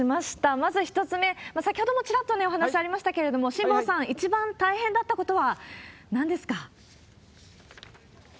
まず１つ目、先ほどもちらっとお話ありましたけれども、辛坊さん、一番大変だったことはなんですか？